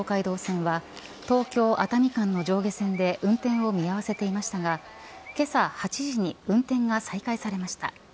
この事故で東海道線は東京熱海間の上下線で運転を見合わせていましたがけさ８時に運転が再開されました。